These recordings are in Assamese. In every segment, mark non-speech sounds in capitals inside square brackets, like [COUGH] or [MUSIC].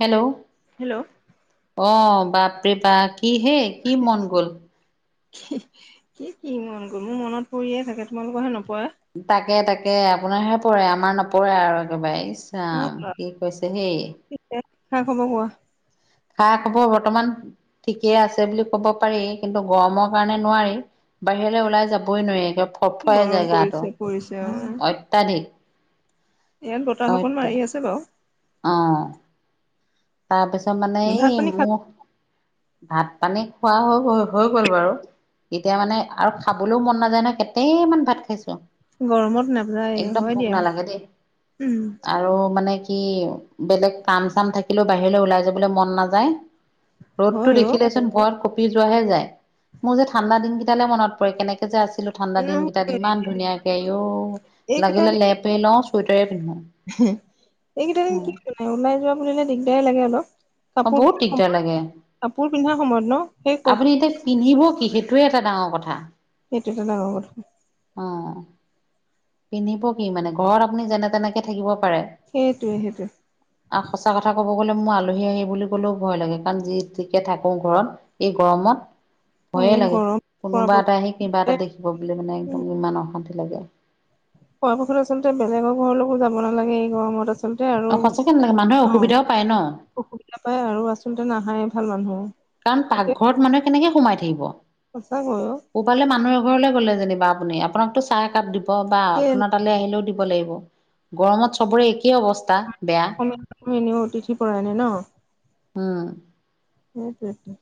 হেল্ল' হেল্ল' অ বাপৰে বা কিহে কি মন গল? কি-কি মন গ'ল? মোৰ মনত পৰিয়ে থাকে, তোমালোকৰহে নপৰে। তাকে, তাকে। আপোনাৰহে পৰে, আমাৰ নপৰে আৰু একেবাৰে। ইচ অ ৰাম কি কৈছে হেই। খা খবৰ কোৱা। খা খবৰ বৰ্তমান ঠিকেই আছে বুলি কব পাৰি কিন্তু গৰমৰ কাৰণে নোৱাৰি। বাহিৰলৈ ওলাই যাবই নোৱাৰি একে ফৰ ফৰাই গৰম যাই গাটো পৰিছে পৰিছে অ উম অত্যাধিক। ইয়াত বতাহ অকন অত্যা মাৰি আছে বাৰু অ'। তাৰপিছত মানে ভাত এই পানী খা মোৰ ভাত প-নী খোৱা হৈ হৈ হৈ গ'ল বাৰু। এতিয়া মানে আৰু খাবলৈও মন নাযায় ন। কেতে মান ভাত খাইছো। গৰমত নাযায় একদম হয় ভোক দিয়া নালাগে দেই উম আৰু মানে কি বেলেগ কাম-চাম থাকিলেও বাহিৰলৈ ওলাই যাবলৈ মন নাযায়। ৰ'দটো হয় অ দেখিলেচোন ভয়ত কঁপি যোৱাহে যায়। মোৰ যে ঠাণ্ডাদিন কেইটালে মনত পৰে। কেনেক যে আছিলো ঠাণ্ডা দিন কেইটাত। ইমান ধুনীয়াকে আই ও। এইকেইটা লাগিলে দিন লেপে লওঁ চুৱটাৰ এইকেইটা দিন কি মানে ওলাই যোৱা বুলিলে দিগদাৰ লাগে অলপ। অ কাপোৰ বহুত পিন্ধা সময়ত দিগদাৰ লাগে। কাপোৰ পিন্ধা সময়ত ন সেই ক আপুনি এতিয়া পিন্ধিব কি সেইটোৱে এটা ডাঙৰ কথা। সেইটো এটা ডাঙৰ কথা। অ পিন্ধিব কি মানে? ঘৰত আপুনি যেনে তেনেকে থাকিব পৰে সেইটোৱে সেইটোৱে আৰু সঁচা কথা কব লে মোৰ আলহী আহি বুলি ক'লেও ভয় লাগে। কাৰণ যি তিকে থাকো ঘৰত এই গৰমত। অ ভয়ে এই লাগে গৰম কোনোবা এটা আহি কিবা এটা পৰাপক্ষে দেখিব বুলি মানে। একদম ইমান অশান্তি লাগে। আচলতে বেলেগৰ ঘৰৰলৈকো যাব নালাগে এই গৰমত। আচলতে আৰু অ সঁচাকে নালাগে মানুহে অ অসুবিধাও পায় ন অসুবিধা পায় আৰু আচলতে নাহায় ভাল মানুহ। কাৰণ এতিয়া পাকঘৰত মানুহে কেনেকে সোমাই থাকিব সঁচাকৈ অ কবালে মানুহৰ ঘৰলৈ গ'লে যেনি বা আপুনি আপোনাকতো চাহ একাপ দিব বা কেলে আপোনাৰ তালৈ আহিলেও দিব লাগিব। গৰমত চবৰে একেই অৱস্থা। বেয়া এনেও অতিথি পৰা নাই হম সেইটোৱেই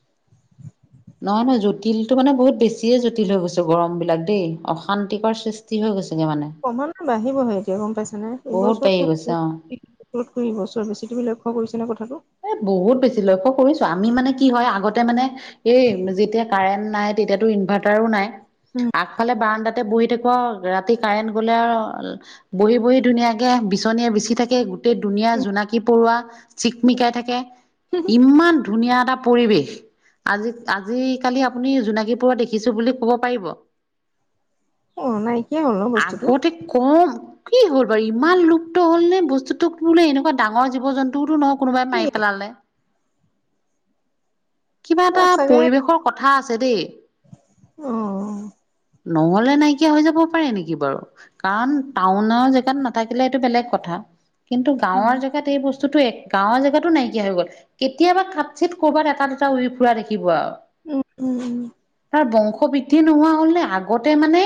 নহয় নহয় জটিলটো মানে বহুত বেছিয়ে জটিল হৈ গৈছে গৰম বিলাক দেই অশান্তিকৰ সৃষ্টি হৈ গৈছে। ক্ৰমানৈ বাঢ়িবহে এতিয়া গম পাইছা। নাই বহুত বাঢ়ি এইবছকত গৈছে অ। সিবছৰ বেছি তুমি লক্ষ্য কৰিছা নে কথাটো এ বহুত বেছি লক্ষ্য কৰিছো আমি মানে কি হয় আগতে মানে এই যেতিয়া কাৰেণ্ট নাই তেতিয়াটো ইনভাইটাৰও নাই উম আগফালে ব্ৰানদাত। তাতে বহি থাকো ৰাতি কাৰেণ্ট গ'লে আৰু বহি বহি ধুনীয়াকে বিচনীয়ে বিচি থাকে। গোটেই ধুনীয়া উম। জোনাকী পৰুৱা চিকমিকাই থাকে ইমান ধুনীয়া এটা পৰিৱেশ আজি আজিকালি আপুনি জোনাকীৰ পৰুৱা দেখিছো বুলি কব পাৰিব অ নাইকিয়া হ'ল ন বস্তুটো আগতে কম কি হ'ল বাৰু ইমান লুপ্ত হ'ল নে বস্তুতোক বোলে এনেকুৱা ডাঙৰ জীৱ জন্তুটো। কোনোবাই কি মাৰি পেলালে কিবা এটা পৰিৱেশৰ কথা আছে দেই অ নহলে নাইকিয়া হৈ যাব পাৰে নেকি বাৰু কাৰণ টাউনৰ জেগাত নাথাকিলে এইটো বেলেগ কথা। কিন্তু উম গাঁৱৰ জেগাত এই বস্তুতটো এক গাঁৱৰ জেগাতো নাইকিয়া হৈ গ'ল কেতিয়াবা কাট চিত কৰ'বাত এটা দুটা উৰি ফুৰা দেখিব আৰু উম বংশ বৃদ্ধি নোহোৱা হলে আগতে মানে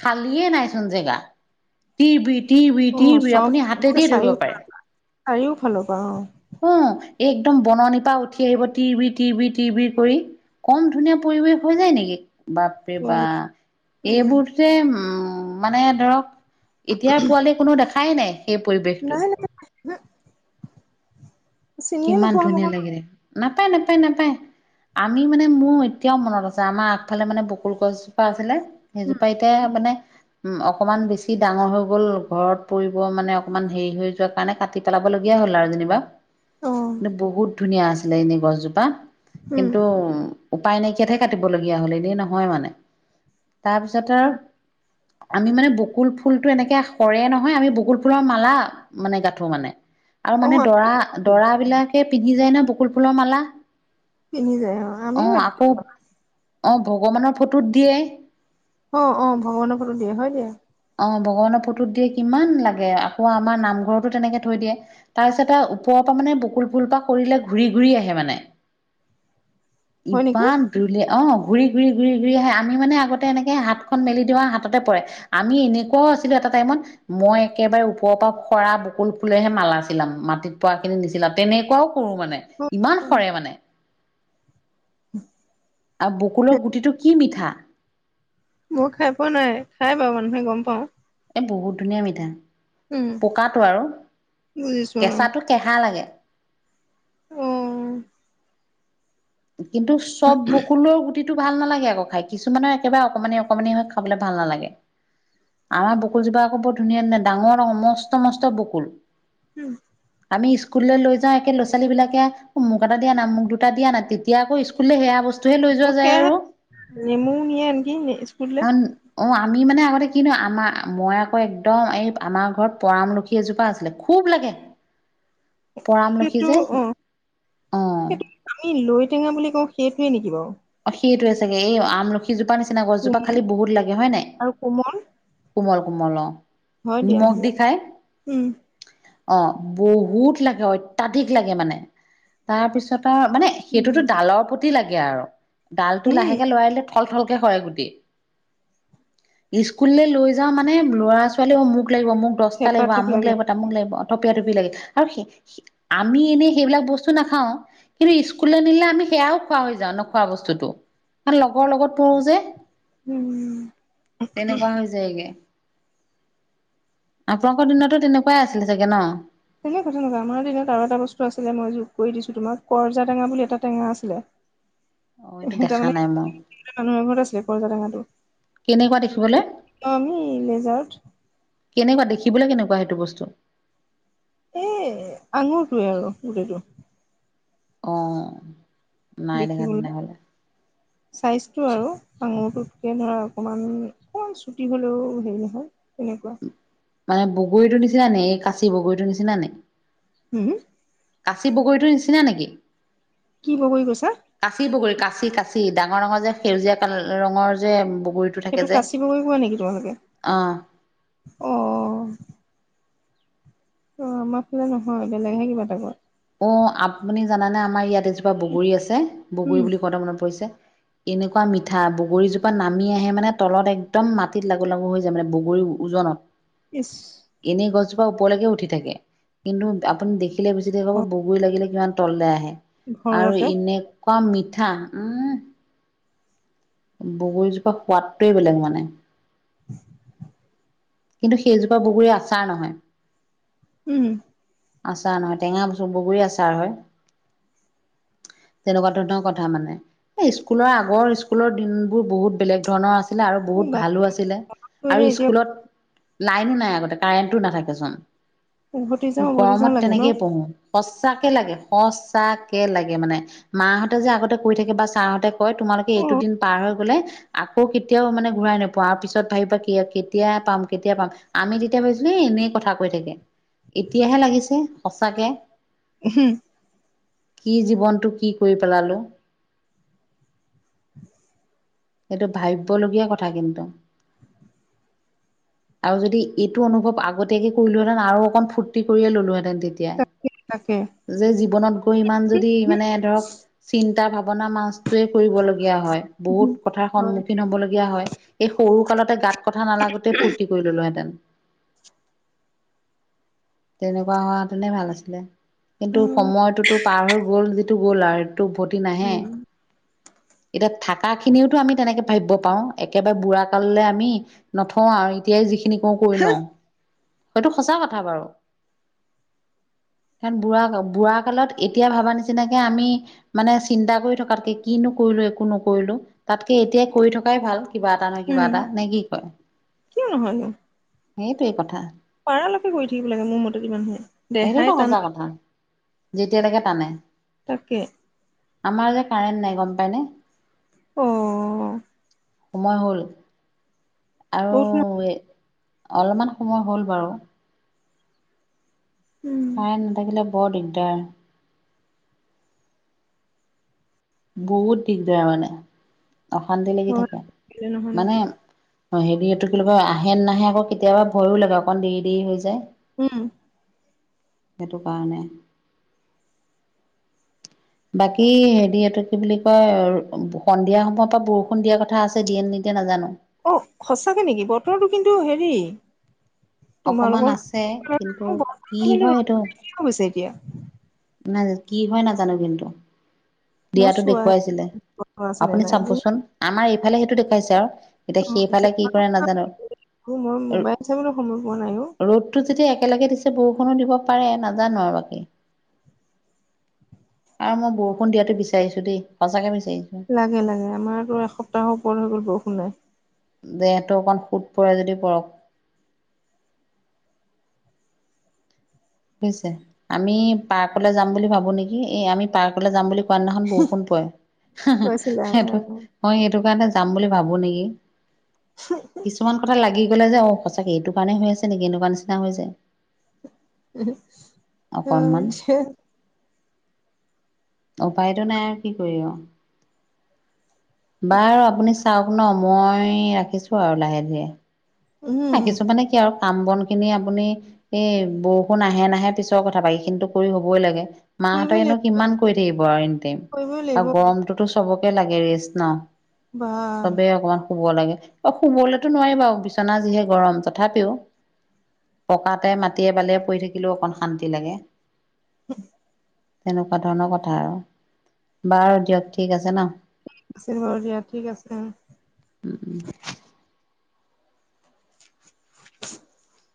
খালীয়ে নাইচোন জেগা। টিৰ বিৰ তি বিৰি তি উম অ বিই চব আপুনি হাতে একে দিয়ে ধৰিব চাৰিও পাৰে। চাৰিওফালৰ পৰা উ। একদম বননিৰ পৰাা উঠি আহিব তি-বিৰিতি। টি বি টি বি কৰি, কম ধুনীয়া পৰিৱেশ হৈ যায় নেকি। বাপে অ বা, উম এইবোৰতে উম মানে ধৰক- এতিয়া পোৱালি কোনো দেখাই নাই সেই পৰিৱেশটো। নাই হম। চিনিয়ে কিমান নোপোৱা ধুনীয়া লাগিলে, নাপায়, নাপায়, নাপায়। আমি মানে মোৰ এতিয়াও মনত আছে। আমাৰ আগফালে মানে বকুল গছজোপা আছিলে। সেইজোপা এতিয়া মানে- উম অকনমান বেছি ডাঙৰ হৈ গ'ল, ঘৰত পৰিব মানে অকমান হেৰি হৈ যোৱা কাৰণে কাটি পেলাব লগীয়া- য়া হ'ল আৰু যেনিবা। আকৌ ন অ কিন্তু বহুত ধুনীয়া আছিলে এনেই গছজোপা উম কিন্তু- উপায় নাইকিয়াতহে কাটিবলগীয়া হ'ল এনেই নহয় মানে। তাৰপিছত আৰু- আমি মানে বকুল ফুলটো এনেকে সৰে নহয়, আমি বকুল ফুলৰ মালা মানে গাথো মানে। আৰু অ মানে দৰা- দৰা বিলাকে পিন্ধি যায় ন বকুল ফুলৰ মালা। পিনি যায় অ আমিও [UNINTELLIGIBLE] অ ভগৱানৰ ফটোত দিয়ে। অ অ ভগৱানৰ ফটোত দিয়ে হয় যে। অ ভগৱানৰ ফটোত দিয়ে কিমান লাগে আকৌ আমাৰ নামঘৰতো তেনেকে থৈ দিয়ে, তাৰ পিছত এ ওপৰত- পৰা মানে বুকুল ফুলপা সৰিলে ঘূৰি ঘূৰি আহে মানে। [UNINTELLIGIBLE] হয় নেকি ইপান ৰুলে অহ। ঘূৰি ঘূৰি ঘূৰি ঘূৰি আহে, আমি মানে আগতে এনেকে হাতখন মেলি দিও হাততে পৰে। আমি এনেকুৱাও আছিলো এটা টাইমত, মই একেবাৰে ওপৰৰ পৰা সৰা বকুল ফুলেহে মালা ছিলাম। মাটিত পৰাখিনি নিচিলাও, তেনেকুৱাও কৰো মানে, অ ইমান সৰে মানে। [INAUDIBLE] আৰু বকুলৰ গুটিটো কি মিঠা। মই খাই পোৱা নাই, খাই বাৰু মানুহে গম পাওঁ। এ বহুত ধুনীয়া মিঠা, পকাটো আৰু বুজিছো কেঁচাটো কেহা লাগে। অ। কিন্তু চব বকুলৰ গু গুটিটো ভাল নালাগে আকৌ খাই, কিছুমানে একেবাৰে অকমানি অকমানি হৈ খাবলৈ ভাল নালাগে। আমাৰ বকুল জোপা আকৌ বৰ ধুনীয়া ধুনীয়া। ডাঙৰ-ডাঙৰ মস্ত-মস্ত বকুল। উম। আমি স্কুললৈ লৈ যাওঁ, একে ল'ৰাছোৱালী বিলাকে মোক এটা দিয়া না মোক দুটা দিয়া না এতিয়া আকৌ স্কুলে সেয়া বস্তু অ সেয়া নেমু নিয়ে নেকি স্কুললে? অ আমি মানে আগতে কিনো আমাৰ, মই আকৌ একদম এই আমাৰ ঘৰত পৰামলখী এজোপা আছিলে, খুব খুব লাগে। [INAUDIBLE] পৰামলখি সেইটো যে অঁ, অ সেইটো আমি লৈটেঙা বুলি কওঁ, সেইটোৱে নেকি বাৰু? অঁ সেইটোৱে চাগে, এই আমলখিজোপা নিচিনা গছজোপা খালি বহুত লাগে, হয় নাই? আৰু কোমল কোমল কোমল অঁ। হয় দিয়া, উম। অঁ বহুত লাগে, অত্যাধিক লাগে মানে। তাৰপিছত মানে সেইটোতো উম ডালৰ প্ৰতি লাগে আৰু ডালটো উম লাহেকে লৰাই দিলে থল থলকে সৰে গোটেই। স্কুললে লৈ যাওঁ মানে ল'ৰা-ছোৱালীও মোক মোক লাগিব, মোক দছটা থেপা লাগিব, থেপ আমোক লাগে লাগিব তামোক লাগিব। তপিয়া টপি লাগে আৰু আমি এনেই সেইবিলাক বস্তু নাখাওঁ। কিন্তু স্কুললে নিলে আমি সেয়াও খোৱা হৈ যাওঁ নোখোৱা বস্তুটো, কাৰণ লগৰ লগত পৰো যে। উম তেনেকুৱা হৈ যায়গে। আপোনালোকৰ দিনতো তেনেকুৱাই আছিলে চাগে ন? কথা নকয় আমাৰ দিনত আৰু এটা বস্তু আছিলে, মই যোগ কৰি দিছো তোমাৰ কৰজা টেঙা বুলি এটা টেঙা আছিলে। অ এইটো দেখা নাই মই তাৰমানে মানুহৰ ঘৰত আছিলে, কৰ্জা টেঙা তো। কেনেকুৱা দেখিবলৈ আমি লেজাৰট কেনেকুৱা দেখিবলৈ কেনেকুৱা সেইটো বস্তু? এ আঙুৰটোৱে আৰু গোটেইটো। অহ দেখিবলে চাইজ টো আৰু আঙুৰটোতকে ধৰা অকমান অকণ চুটি হ'লেও হেৰি নহয়। তেনেকুৱা। মানে বগৰীটো নিচিনা নি? এই কাঁচি বগৰীটো নিচিনা নে? হুম? কাঁচি বগৰীটোৰ নিচিনা নেকি? কি বগৰী কৈছা? কাঁচি বগৰী কাঁচি কাচি। ডাঙৰ-ডাঙৰ যে সেউজীয়া কাল ৰঙৰ যে। বগৰীটো থাকে সেইটো যে কাচি বগৰী কোৱা নেকি তোমালোকে? অ' অ অ আমাৰ ফালে নহয়, বেলেগহে কিবা এটা কয়। অঁ আপুনি জানানে? আমাৰ ইয়াত এজোপা বগৰী আছে, বগৰী উম বুলি কওঁতে মনত পৰিছে। এনেকুৱা মিঠা। বগৰীজোপা নামি আহে মানে তলত একদম মাটিত লাগু লাগু হৈ যায় মানে বগৰী উজনত ইছ। ওপৰলৈকে উঠি থাকে। কিন্তু আপুনি দেখিলে বেছি দে কব বগৰী লাগিলে কিমান তললে আহে। আৰু ঘৰতে এনেকুৱা মিঠা, উম। বগৰীজোপা সোৱাদটোৱে বেলেগ মানে। [INAUDIBLE] কিন্তু সেইজোপা বগৰী আচাৰ নহয়। উম আচাৰ নহয় টেঙা বগৰী আচাৰ হয়। [INAUDIBLE] তেনেকুৱা ধৰণৰ কথা মানে এ স্কুলৰ আগৰ স্কুলৰ দিন বোৰ বহুত বেলেগ ধৰণৰ আছে ছিল আৰু বহুত বা ভালো আছিলে কৰিলে আৰু এতিয়া স্কুলত লাইনো নাই আগতে কাৰেণ্টো নাথাকেচোন। উভতি যাওঁ উভতি যাওঁ গৰমত লাগে ন তেনেকেই পঢ়ো সচাকে লাগে সচাকে লাগে মানে মাহঁতে যে আগতে কৈ থাকে বা ছাৰহঁতে কয় তোমালোকে অ এইটো দিন পাৰ হৈ [UNINTELLIGIBLE] গলে আকৌ কেতিয়াও মানে ঘূৰাই নোপোৱা আৰু পিছত ভাবিবা কেতিয়া পাম- কেতিয়া পাম আমি তেতিয়া ভাৱিছিলোঁ এ এনেই কথা কৈ থাকে এতিয়াহে লাগিছে সঁচাকে ও-হো কি জীৱনটো কি কৰি পেলালো। সেইটো ভাবিবলগীয়া কথা কিন্তু। আৰু যদি এইটো অনুভৱ আগতীয়াকে কৰিলোহেঁতেন আৰু অকন ফুৰ্তি কৰিয়ে ললো হেঁতেন। তেতিয়া তাকে তাকে যে জীৱনত গৈ ইমান যদি মানে ধৰক চিন্তা ভাব বনা মাছটোৱে কৰিবলগীয়া হয় বহুত উম। কথাৰ হয় সন্মুখীন হব লগীয়া হয়, এই সৰু কালতে গাত কথা নালাগোতেই ফূৰ্তি কৰি ললো। হেতেন তেনেকুৱা হোৱা হেতেনে ভাল আছিলে। কিন্তু সময়টোতো পাৰ হৈ গ'ল যিটো গ'ল আৰু সিটো উভতি নাহে। উম এতিয়া থাকা খিনিওতো আমি তেনেকে ভাবিব পাৰো একেবাৰে বুঢ়া কাললৈ আমি নথওঁ আৰু এতিয়াই যিখিনি মও কৰি লওঁ, সেইটো সঁচা কথা বাৰু। [INAUDIBLE] কাৰণ বুঢ়া- বুঢ়া কালত এতিয়া ভবা নিচিনাকে আমি মানে চিন্তা কৰি থকাতকে কিনো কৰিলো একো নকৰিলো তাতকে এতিয়াই কৰি থকাই ভাল। কিবা এটা নহয় কিবা উম এটা নে কি কয়? কিয় নহয়নো সেইটোৱেই কথা। পাৰালৈকে কৰি থাকিব লাগে মোৰ মতে কিমান হয় দেহাই টানা যেতিয়া লৈকে টানে। তাকে আমাৰ যে কাৰেণ্ট নাই গম পাইনে? অ সোমোৱা হ'ল? আৰু বহুত সময় অলপমান সময় হ'ল বাৰু উম কাৰেন নেথাকিলে বৰ দিগদাৰ। বহুত দিগদাৰ মানে অশান্তি লাগি থাকে হয় নহয়নো মানে অহ, হেই বুলি এইটো কি বুলি কয় আহে- নাহে আকৌ কেতিয়াবা ভয়ো লাগে অকণ দেৰি -দেৰি হৈ যায়। উম সেইটো কাৰণে বাকী হেৰি এইটো কি বুলি কয় সন্ধিয়া সময়ৰ পৰা বৰষুণ দিয়া কথা আছে দিয়ে নেকি কে নাজানো। অহ, সঁচাকে নেকি বতৰটো কিন্তু হেৰি অকমান তোমালোকৰ আছে কিন্তু কি বতৰটো কিন্তু হয় ৰ'দ এইটো কিয় গৈছে এতিয়া নাই কি হয় নাজানো কিন্তু। মই দিয়াতো চোৱাই নাই। দেখুৱাইছিলে বতৰ আছে নে আপুনি নাই যি চাবচোন আমাৰ এইফালে সেইটো দেখুৱাইছে আৰু। এতিয়া সেইফালে কি কৰে নাজানো মই মোবাইল চাবলৈ সময় পোৱা নাই অ [INAUDIBLE] ৰ'দটো যেতিয়া একেলগে দিছে বৰষুণো দিব পাৰে নাজানো আৰু বাকী। আৰু মই বৰষুণ দিয়াতো বিচাৰিছো দেই সঁচাকে। বিচাৰিছো। লাগে লাগে আমাৰতো এসপ্তাহৰ ওপৰত হৈ গ'ল বৰষুণ নাই। দেটো অকণ সোত পৰে যদি পৰক বুজিছে আমি পাৰ্কলৈ যাম বুলি ভাবো নেকি এই আমি পাৰ্কলৈ যাম বুলি কোৱা দিনাখন বৰষুণ গৈছিলা সেইটো অ'। মই এইটো কাৰণে যাম বুলি ভাবো নেকি কিছুমান কথা লাগি। কলে যে অ সঁচাকে এইটো কাৰণে হৈ আছে নেকি এনেকুৱা নিচিনা হৈ যায়। অকনমান। অছ উপায়তটো নাই আৰু কি কৰিব আ বাৰু আপুনি চাওক ন মই ৰাখিছো আৰু লাহে ধীৰে। উম, ৰাখিছো মানে কি আৰু কাম বন খিনি আপুনি এই বৰষুণ আহে নাহে পিছৰ কথা পা এই খিনিটো কৰি হবই লাগে। কৰিবই মাহঁতনো লাগিব কিমান কৰি থাকিব আৰু এন টোইম কৰিবই লাগিব আৰু গৰমটোতো চবকে লাগে ৰেচ ন বাহ চবেই অকমান শুব লাগে অ শুবলৈতো নোৱাৰি বাৰু বিচনা যিহে গৰম তথাপিও পকাতে মাটিয়ে বালিয়ে পৰি থাকিলেও অকণ শান্তি লাগে। উ তেনেকুৱা ধৰণৰ কথা আৰু বাৰ দিয়ক ঠিক আছে ন। আশ বাৰ দিয়া ঠিক আছে। [UNINTELLIGIBLE]